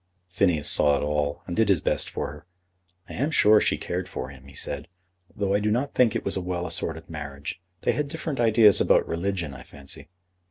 Phineas saw it all, and did his best for her. "I am sure she cared for him," he said, "though I do not think it was a well assorted marriage. They had different ideas about religion, I fancy.